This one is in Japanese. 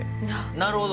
なるほど！